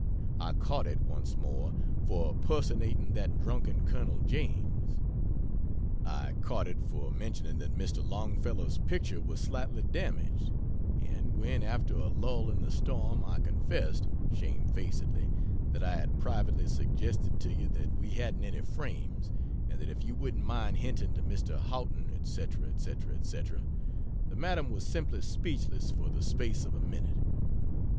I "caught it" once more for personating that drunken Col. James. I "caught it" for mentioning that Mr. Longfellow's picture was slightly damaged; and when, after a lull in the storm, I confessed, shame facedly, that I had privately suggested to you that we hadn't any frames, and that if you wouldn't mind hinting to Mr. Houghton, &c., &c., &c., the Madam was simply speechless for the space of a minute.